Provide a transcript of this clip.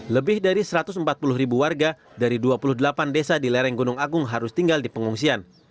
lebih dari satu ratus empat puluh ribu warga dari dua puluh delapan desa di lereng gunung agung harus tinggal di pengungsian